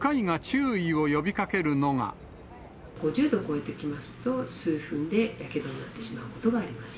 ５０度を超えてきますと、数分でやけどになってしまうことがあります。